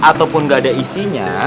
ataupun gak ada isinya